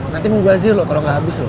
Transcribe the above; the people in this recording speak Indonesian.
nanti mau bazir loh kalau gak habis loh